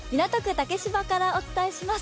竹芝からお伝えします。